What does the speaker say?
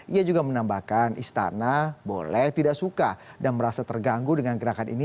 ia juga menambahkan istana boleh tidak suka dan merasa terganggu dengan gerakan ini